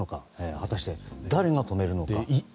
果たして誰が止めるのか。